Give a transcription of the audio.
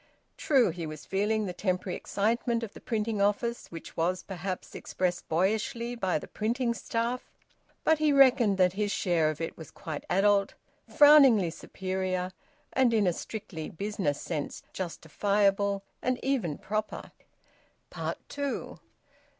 True, he was feeling the temporary excitement of the printing office, which was perhaps expressed boyishly by the printing staff; but he reckoned that his share of it was quite adult, frowningly superior, and in a strictly business sense justifiable and even proper. TWO.